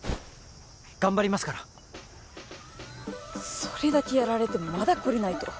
頑張りますからそれだけやられてもまだ懲りないと？